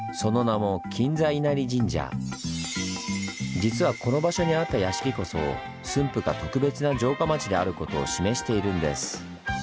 実はこの場所にあった屋敷こそ駿府が特別な城下町であることを示しているんです。